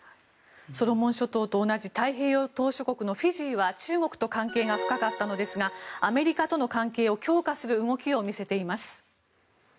ソロモン諸島と同じ太平洋島しょ国のフィジーは中国と関係が深かったのですがアメリカとの関係を強化する動きを見せています。